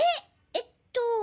えっとぉ。